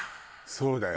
そうだよ。